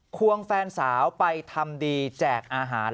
ควงแฟนสาวไปทำดีแจกอาหาร